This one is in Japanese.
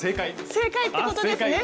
正解ってことですね！